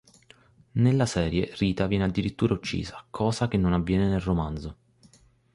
Nella serie Rita viene addirittura uccisa, cosa che non avviene nel romanzo.